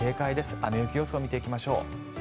雨・雪予想を見ていきましょう。